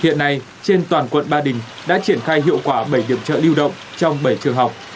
hiện nay trên toàn quận ba đình đã triển khai hiệu quả bảy điểm chợ lưu động trong bảy trường học